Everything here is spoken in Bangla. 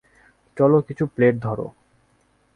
চলো, কিছু প্লেট ধরো।